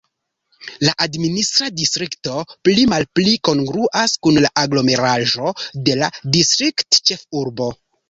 La administra distrikto pli-malpli kongruas kun la aglomeraĵo de la distriktĉefurbo.